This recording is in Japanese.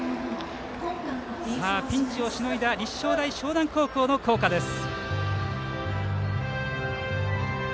ピンチをしのいだ立正大淞南高校の校歌です。